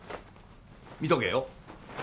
見とけよ。